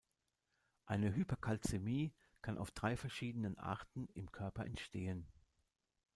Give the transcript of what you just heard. Eine Hyperkalzämie kann auf drei verschiedenen Arten im Körper entstehen.